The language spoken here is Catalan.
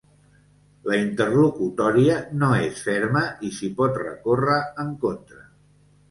La interlocutòria no és ferma i s’hi pot recórrer en contra.